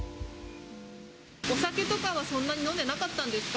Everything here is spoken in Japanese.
お酒とかはそんなに飲んでなかったんですか？